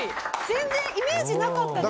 全然イメージなかったです